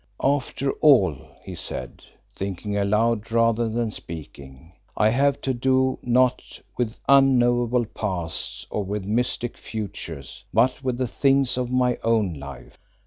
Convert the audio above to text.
"After all," he said, thinking aloud rather than speaking, "I have to do not with unknowable pasts or with mystic futures, but with the things of my own life.